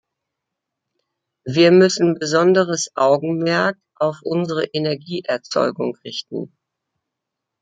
Wir müssen besonderes Augenmerk auf unsere Energieerzeugung richten.